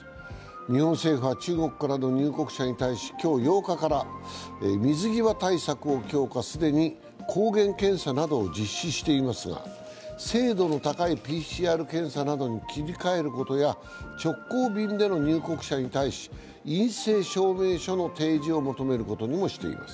日本政府は中国からの入国者に対し今日８日から、水際対策を強化、既に抗原検査などを実施していますが、精度の高いＰＣＲ検査などに切り替えることや直行便での入国者に対し陰性証明書の提示を求めることにしています。